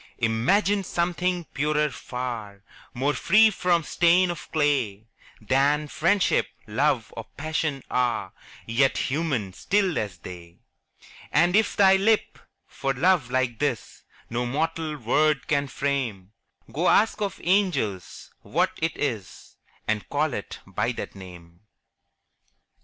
Imagine something purer far, More free from stain of clay Than Friendship, Love, or Passion are, Yet human, still as they: And if thy lip, for love like this, No mortal word can frame, Go, ask of angels what it is, And call it by that name!